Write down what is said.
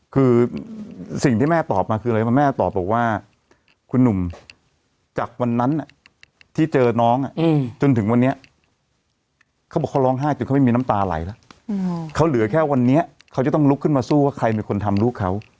คือสิ่งที่แม่ตอบมาคืออะไรแม่ตอบบอกว่าคุณหนุ่มจากวันนั้นที่เจอน้องจนถึงวันนี้เขาบอกเขาร้องไห้จนเขาไม่มีน้ำตาไหลแล้วเขาเหลือแค่วันนี้เขาจะต้องลุกขึ้นมาสู้ว่าใครเป็นคนทำลูกเขา